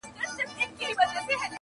سړی راوستی عسکرو و قاضي ته-